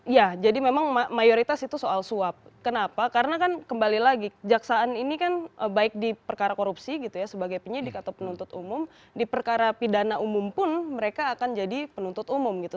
ya jadi memang mayoritas itu soal suap kenapa karena kan kembali lagi jaksaan ini kan baik di perkara korupsi gitu ya sebagai penyidik atau penuntut umum di perkara pidana umum pun mereka akan jadi penuntut umum gitu